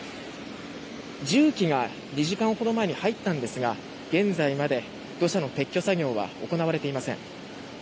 重機が２時間ほど前に入ったんですが現在まで土砂の撤去作業は行われていません。